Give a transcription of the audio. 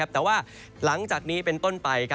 แต่ว่าหลังจากนี้เป็นต้นไป